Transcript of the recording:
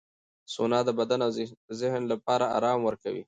سونا د بدن او ذهن لپاره آرام ورکوي.